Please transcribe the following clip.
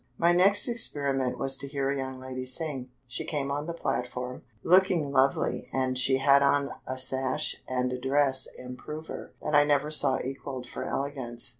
My next experiment was to hear a young lady sing. She came on the platform, looking lovely, and she had on a sash and a dress improver that I never saw equalled for elegance.